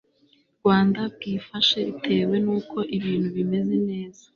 Rwanda bwifashe Bitewe n uko ibintu bimeze neza